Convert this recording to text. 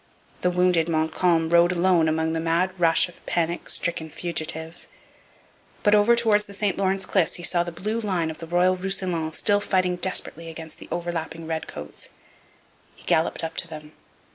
The wounded Montcalm rode alone among the mad rush of panic stricken fugitives. But over towards the St Lawrence cliffs he saw the blue line of the Royal Roussillon still fighting desperately against the overlapping redcoats. He galloped up to them.